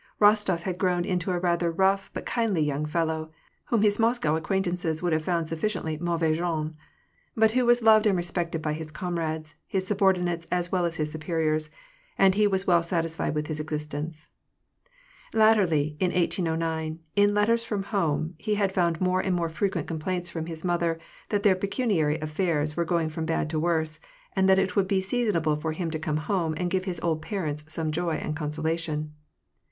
Rostof had grown into a rather rough but kindly young fellow, whom his Moscow acquaint anoes would have found sufficiently mauvais genre ; but who was loved and respected by his comrades, his subordinates as well as his superiors, and he was well satisfied with his existence. Latterly, in 1809, in letters from home, he had found more and more frequent complaints from his mother that their pecuniary affairs were going from bad to worse, and that it would be seasonable for him to come home and give his old parents some joy and consolation.